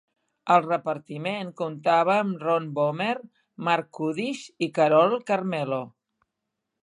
El repartiment comptava amb Ron Bohmer, Marc Kudisch i Carolee Carmello.